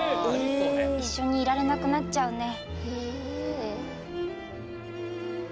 一緒にいられなくなっちゃうね。